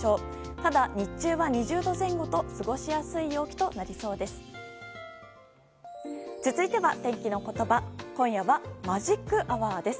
ただ、日中は２０度前後と過ごしやすい陽気となりそうです。